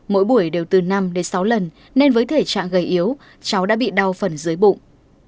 mỗi buổi đều từ năm đến sáu lần nên với thể trạng gầy yếu cháu đã bị đau phần dưới bụng